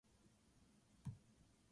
Its high school is Santa Fe High School.